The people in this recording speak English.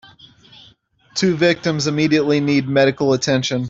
Two victims immediately need medical attention.